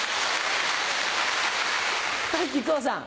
はい木久扇さん。